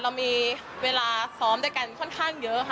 เรามีเวลาซ้อมด้วยกันค่อนข้างเยอะค่ะ